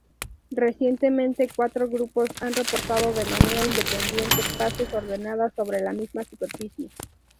Recientemente cuatro grupos han reportado de manera independiente fases ordenadas sobre la misma superficie.